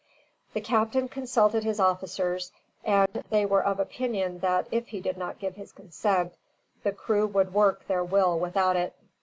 The captain consulted his officers, and they were of opinion that if he did not give his consent, the crew would work their will without it.